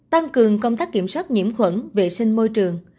tăng cường công tác kiểm soát nhiễm khuẩn vệ sinh môi trường